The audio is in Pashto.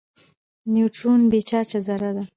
نیوټرون بې چارجه ذره ده.